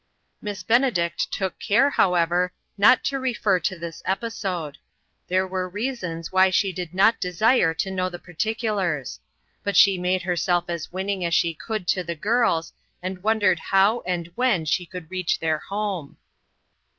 Miss Benedict took care, however, not to refer to this episode ; there were reasons why she did not desire to know the particulars. But she made herself as winning as she could to the girls, and I4O INTERRUPTED. wondered how and when she could reach their home.